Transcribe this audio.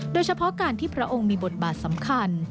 โดยเฉพาะการที่พระองค์มีบทบาทสำคัญ